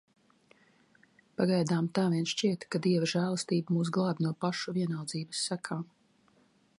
Pagaidām tā vien šķiet, ka Dieva žēlastība mūs glābj no pašu vienaldzības sekām.